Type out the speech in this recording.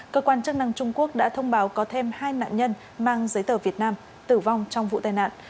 cơ quan chức năng trung quốc đã thông báo có thêm hai nạn nhân mang giấy tờ việt nam tử vong trong vụ tai nạn